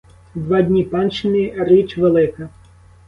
Два дні панщини — річ велика.